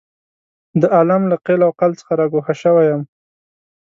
د عالم له قیل او قال څخه را ګوښه شوی یم.